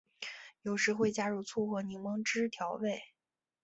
有时会加入醋或柠檬汁调味。